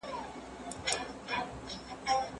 شاه امان الله خان د خپلو خلکو د یووالي لپاره غونډې جوړولې.